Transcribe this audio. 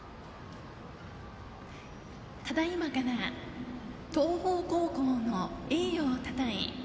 ただいまから東邦高校の栄誉をたたえ